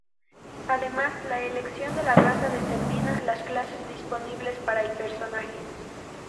Además, la elección de la raza determina las clases disponibles para el personaje.